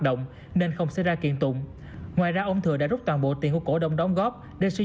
động nên không xảy ra kiện tụng ngoài ra ông thừa đã rút toàn bộ tiền của cổ đông đóng góp để suy